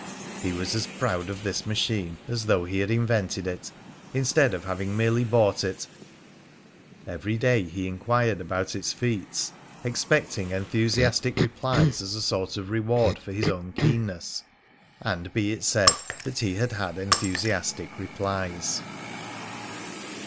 He was as proud of this machine as though he had invented it, instead of having merely bought it; every day he enquired about its feats, expecting enthusiastic replies as a sort of reward for his own keenness; and be it said that he had had enthusiastic replies.